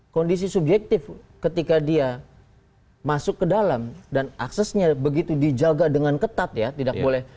kondisi subjektif ketika dia masuk ke dalam dan aksesnya begitu dijaga dengan ketat ya tidak boleh